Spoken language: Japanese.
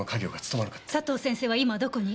佐藤先生は今どこに？